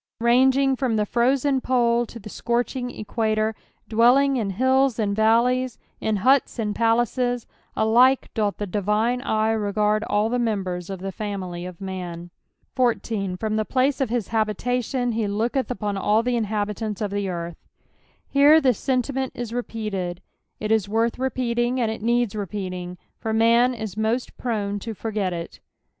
Ranging from the frozen pole to the scorching equator, dwelling in hilTs and valleys, in huts and palaces, alike doth the divine eye regard all the members of the family of man. 14. " FrOTa the place of hi» habitation he louketh upon aU IJie inhabitanti ef the earth." Here the sentiment is repeated : it ja, worth repeating, and it needs repeating, for man is moat prone to forget it.